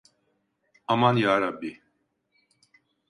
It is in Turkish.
Aman yarabbi!